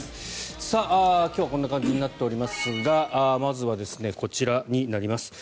今日はこんな感じになっておりますがまずはこちらになります。